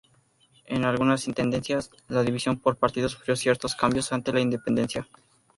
En algunas intendencias, la división en partidos sufrió ciertos cambios antes de la independencia.